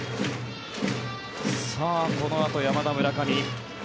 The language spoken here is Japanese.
このあと山田、村上。